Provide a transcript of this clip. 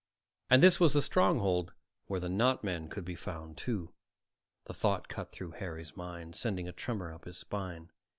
And this was the stronghold where the not men could be found, too. The thought cut through Harry's mind, sending a tremor up his spine.